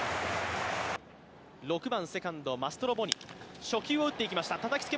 ６番セカンド、マストロブオニ、初球をたたきました